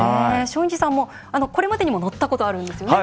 松陰寺さんもこれまでにも乗ったことあるんですよね？